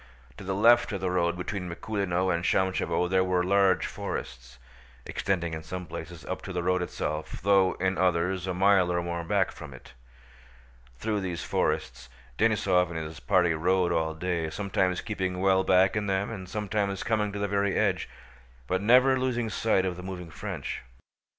To the left of the road between Mikúlino and Shámshevo there were large forests, extending in some places up to the road itself though in others a mile or more back from it. Through these forests Denísov and his party rode all day, sometimes keeping well back in them and sometimes coming to the very edge, but never losing sight of the moving French.